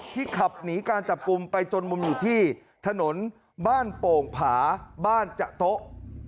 ขับหนีการจับกลุ่มไปจนมุมอยู่ที่ถนนบ้านโป่งผาบ้านจะโต๊ะ